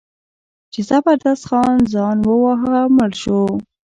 چې زبردست خان ځان وواهه او مړ شو.